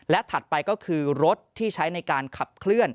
ถัดไปก็คือรถที่ใช้ในการขับเคลื่อน